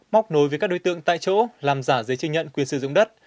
móc nối với các đối tượng tại chỗ làm giả giấy chứng nhận quyền sử dụng đất